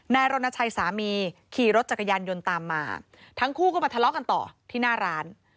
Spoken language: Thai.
รณชัยสามีขี่รถจักรยานยนต์ตามมาทั้งคู่ก็มาทะเลาะกันต่อที่หน้าร้าน